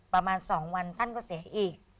ประมาณ๒วันท่านก็เสียอีก